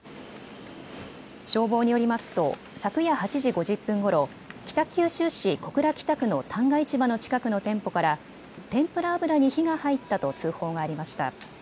消防によりますと昨夜８時５０分ごろ北九州市小倉北区の旦過市場の近くの店舗から天ぷら油に火が入ったと通報がありました。